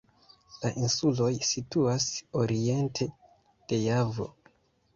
La insuloj situas oriente de Javo.